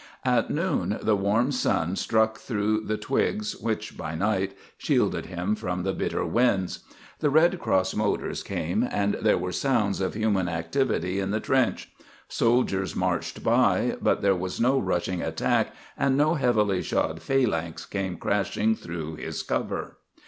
At noon the warm sun struck through the twigs which by night shielded him from the bitter winds. The Red Cross motors came and there were sounds of human activity in the trench. Soldiers marched by, but there was no rushing attack and no heavily shod phalanx came crashing through his cover.